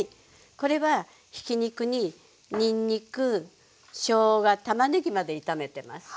これはひき肉ににんにくしょうがたまねぎまで炒めてます。